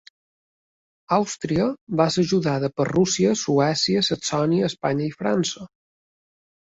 Àustria va ser ajudada per Rússia, Suècia, Saxònia, Espanya i França.